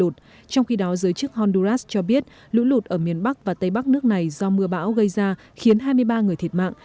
trong khi đó giới chức honduras cho biết lũ lụt ở miền bắc và tây bắc nước này do mưa bão gây ra khiến hai mươi ba người thiệt mạng